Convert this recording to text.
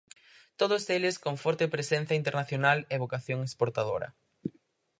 Todos eles con forte presenza internacional e vocación exportadora.